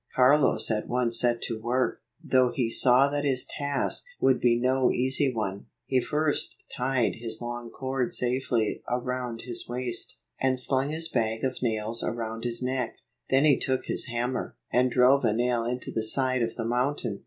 Car los at once set to work, though he saw that his task would be no easy one. 149 He first tied his long cord safely around his waist, and slung his bag of nails around his neck. Then he took his hammer, and drove a nail into the side of the mountain.